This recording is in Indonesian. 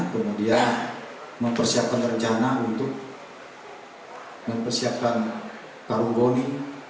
kemudian mempersiapkan rencana untuk mempersiapkan karung boni